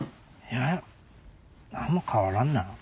いや何も変わらんな。